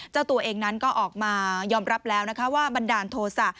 เจ้าตัวเองนั้นก็ออกมายอมรับแล้วนะคะว่าบันดาลโทษะ